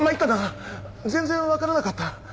全然わからなかった。